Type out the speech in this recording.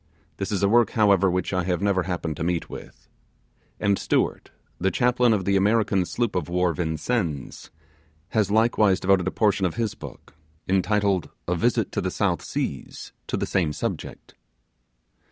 This is a work, however, which I have never happened to meet with; and Stewart, the chaplain of the American sloop of war Vincennes, has likewise devoted a portion of his book, entitled 'A Visit to the South Seas', to the same subject.